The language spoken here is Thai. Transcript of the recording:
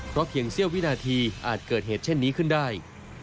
เพราะเพียงเสี้ยววินาทีอาจเกิดเหตุเช่นนี้ขึ้นได้